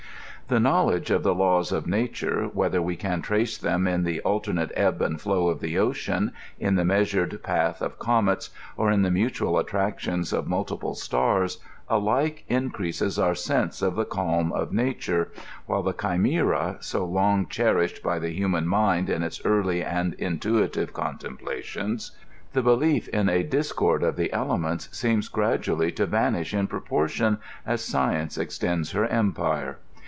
The knowledge of the laws of nature, whether we can trace them in the alternate ebb and flow of the ocean, in the measured path of comets, or in the mutual attractions of mul tiple stars, alike increases our s^ise of the calm of nature, while the chimera so long cherished by the human mind in its early and intuitive contemplations, the belief in Ik;; ^* discord of the elements,'' seems gradually to vanish in proportion as science extends her empire.